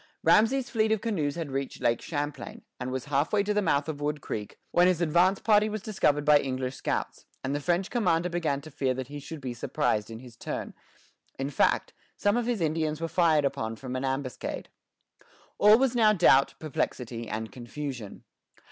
Ramesay's fleet of canoes had reached Lake Champlain, and was halfway to the mouth of Wood Creek, when his advance party was discovered by English scouts, and the French commander began to fear that he should be surprised in his turn; in fact, some of his Indians were fired upon from an ambuscade. All was now doubt, perplexity, and confusion.